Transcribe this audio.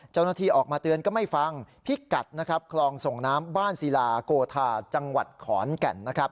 เจ้าหน้าที่ออกมาเตือนก็ไม่ฟังพิกัดนะครับคลองส่งน้ำบ้านศิลาโกธาจังหวัดขอนแก่นนะครับ